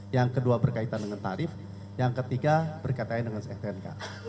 yang kedua berkaitan dengan tarif yang ketiga berkaitan dengan stnk